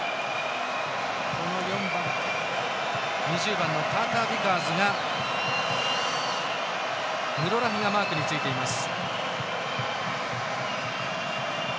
この２０番のカータービカーズがヌロラヒがマークについています。